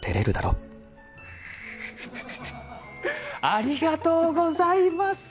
ありがとうございます。